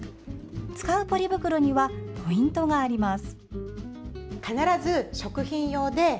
使うポリ袋にはポイントがあります。